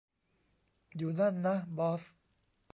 อยู่นั่นนะบอส